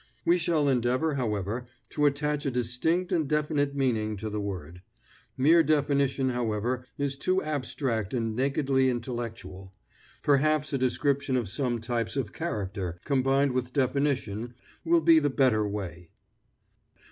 We shall endeavor, however, to attach a distinct and definite meaning to the word. Mere definition, however, is too abstract and nakedly intellectual. Perhaps a description of some types of character, combined with definition, will be the better way.